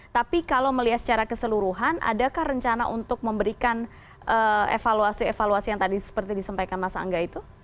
tapi kalau melihat secara keseluruhan adakah rencana untuk memberikan evaluasi evaluasi yang tadi seperti disampaikan mas angga itu